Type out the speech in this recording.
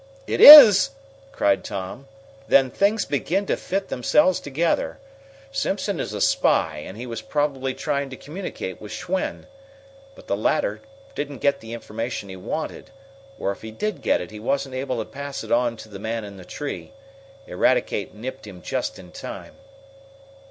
"It is?" cried Tom. "Then things begin to fit themselves together. Simpson is a spy, and he was probably trying to communicate with Schwen. But the latter didn't get the information he wanted, or, if he did get it, he wasn't able to pass it on to the man in the tree. Eradicate nipped him just in time."